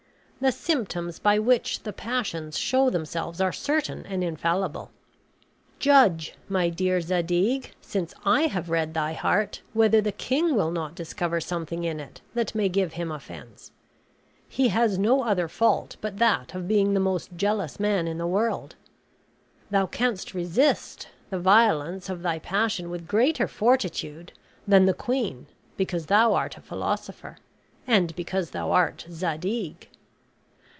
The symptoms by which the passions show themselves are certain and infallible. Judge, my dear Zadig, since I have read thy heart, whether the king will not discover something in it that may give him offense. He has no other fault but that of being the most jealous man in the world. Thou canst resist the violence of thy passion with greater fortitude than the queen because thou art a philosopher, and because thou art Zadig.